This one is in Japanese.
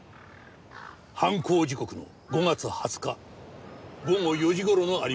犯行時刻の５月２０日午後４時頃のアリバイ工作だ。